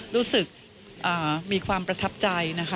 รู้สึกมีความประทับใจนะคะ